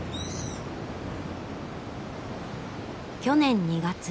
去年２月。